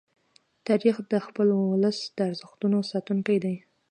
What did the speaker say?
تاریخ د خپل ولس د ارزښتونو ساتونکی دی.